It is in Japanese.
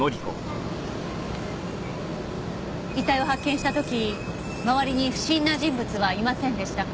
遺体を発見した時周りに不審な人物はいませんでしたか？